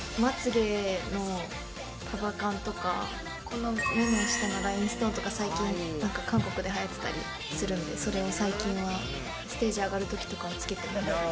この目の下のラインストーンとか最近何か韓国ではやってたりするんでそれを最近はステージ上がる時とかはつけてます